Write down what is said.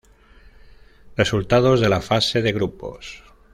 Resultados de la fase de grupos.